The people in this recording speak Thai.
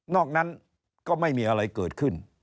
อกนั้นก็ไม่มีอะไรเกิดขึ้น